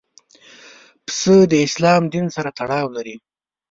پسه د اسلام دین سره تړاو لري.